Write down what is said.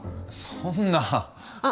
そんなあ。